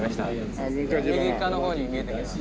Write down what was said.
右側の方に見えてきます。